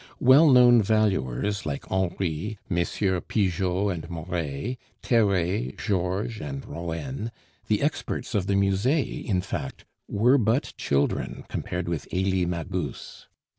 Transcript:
Well known valuers like Henry, Messrs. Pigeot and Moret, Theret, Georges, and Roehn, the experts of the Musee, in fact, were but children compared with Elie Magus.